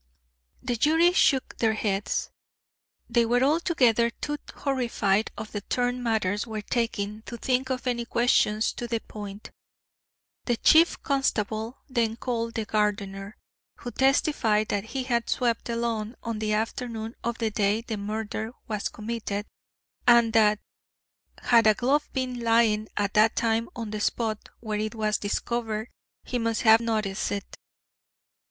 The jury shook their heads. They were altogether too horrified at the turn matters were taking to think of any questions to the point. The Chief Constable then called the gardener, who testified that he had swept the lawn on the afternoon of the day the murder was committed, and that had a glove been lying at that time on the spot where it was discovered he must have noticed it.